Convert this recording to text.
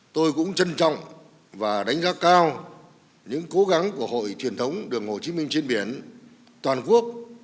tôi cũng trân trọng và đánh giá cao những cố gắng của hội truyền thống đường hồ chí minh trên biển toàn quốc